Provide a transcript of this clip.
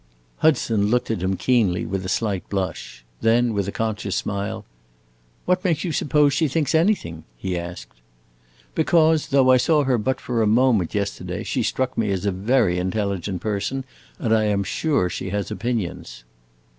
Hudson looked at him keenly, with a slight blush. Then, with a conscious smile, "What makes you suppose she thinks anything?" he asked. "Because, though I saw her but for a moment yesterday, she struck me as a very intelligent person, and I am sure she has opinions."